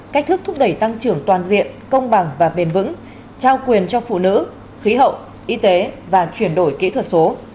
cách thức thúc đẩy tăng trưởng toàn diện công bằng và bền vững trao quyền cho phụ nữ khí hậu y tế và chuyển đổi kỹ thuật số